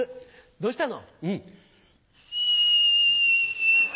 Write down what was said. どうしたの？